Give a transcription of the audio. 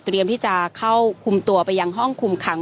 ที่จะเข้าคุมตัวไปยังห้องคุมขัง